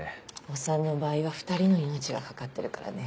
お産の場合は２人の命が懸かってるからね。